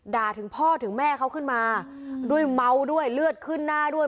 ถึงพ่อถึงแม่เขาขึ้นมาด้วยเมาด้วยเลือดขึ้นหน้าด้วย